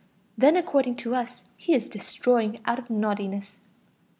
Then, according to us, he is destroying out of naughtiness.